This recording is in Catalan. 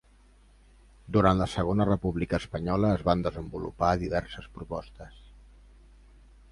Durant la Segona República Espanyola es van desenvolupar diverses propostes.